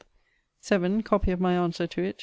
7. Copy of my answer to it